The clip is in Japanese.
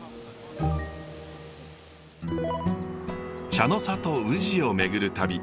茶の里宇治を巡る旅。